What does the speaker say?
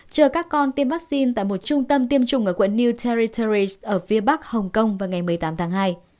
chờ các con tiêm vaccine tại một trung tâm tiêm chủng ở quận new territerres ở phía bắc hồng kông vào ngày một mươi tám tháng hai